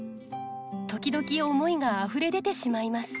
時々思いがあふれ出てしまいます。